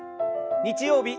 日曜日